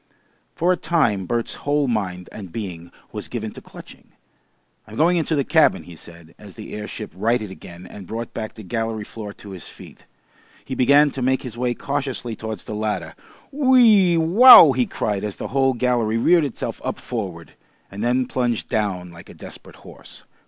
For a time Bert's whole mind and being was given to clutching. "I'm going into the cabin," he said, as the airship righted again and brought back the gallery floor to his feet. He began to make his way cautiously towards the ladder. "Whee wow!" he cried as the whole gallery reared itself up forward, and then plunged down like a desperate horse.